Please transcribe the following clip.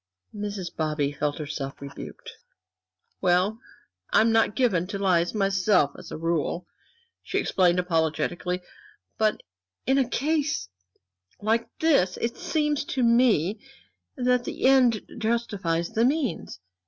Mrs. Bobby felt herself rebuked. "Well, I am not given to lies myself, as a rule," she explained, apologetically, "but in a case like this it seems to me that the end justifies the means.